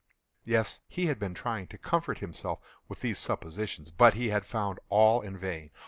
Yes, he had been trying to comfort himself with these suppositions: but he had found all in vain.